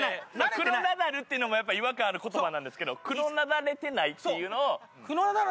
「クロナダル」っていうのもやっぱ違和感ある言葉なんですけど「クロナダれてない」っていうのを。